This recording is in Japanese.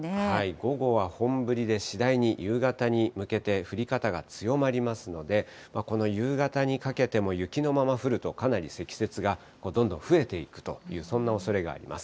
午後は本降りで、次第に夕方に向けて降り方が強まりますので、この夕方にかけても雪のまま降ると、かなり積雪がどんどん増えていくという、そんなおそれがあります。